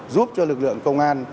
giúp cho lực lượng công an